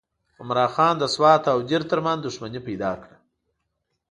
عمرا خان د سوات او دیر ترمنځ دښمني پیدا کړه.